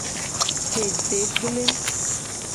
Jete gble.